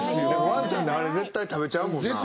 ワンちゃんってあれ絶対食べちゃうもんな。